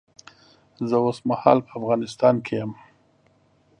زه اوس مهال په افغانستان کې یم